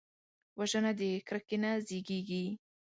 وژنه د کرکې نه زیږېږي